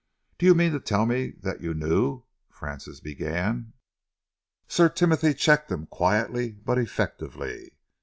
"Do you mean to tell me that you knew " Francis began. Sir Timothy checked him quietly but effectively.